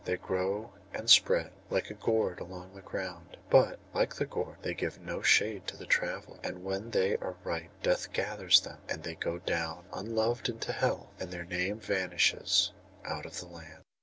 They grow and spread, like the gourd along the ground; but, like the gourd, they give no shade to the traveller, and when they are ripe death gathers them, and they go down unloved into hell, and their name vanishes out of the land.